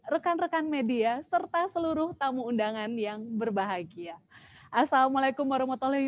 rekan rekan media serta seluruh tamu undangan yang berbahagia assalamualaikum warahmatullahi wabarakatuh